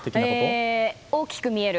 大きく見える。